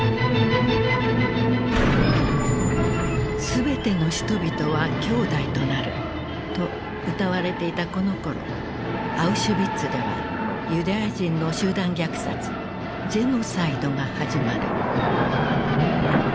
「全ての人々は兄弟となる」と歌われていたこのころアウシュビッツではユダヤ人の集団虐殺「ジェノサイド」が始まる。